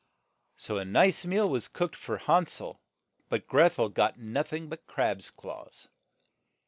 So a nice meal was cooked for Han sel, but Greth el got noth ing but crab's claws.